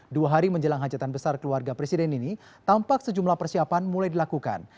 dua hari menjelang hajatan besar keluarga presiden ini tampak sejumlah persiapan mulai dilakukan